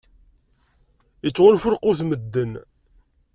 Ittɣunfu lqut n medden.